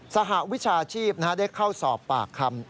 สหวิชาชีพได้เข้าสอบปากคำ